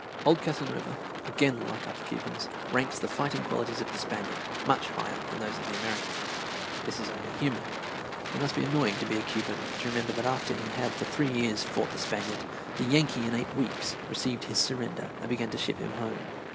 Old Casanova, again like other Cubans, ranks the fighting qualities of the Spaniard much higher than those of the American. This is only human. It must be annoying to a Cuban to remember that after he had for three years fought the Spaniard, the Yankee in eight weeks received his surrender and began to ship him home.